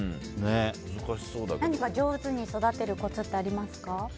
何か上手に育てるコツってありますか？